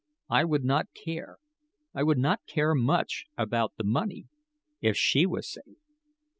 I would not care I would not care much about the money, if she was safe.